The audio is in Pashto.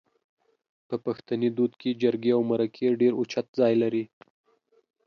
په پښتني دود کې جرګې او مرکې ډېر اوچت ځای لري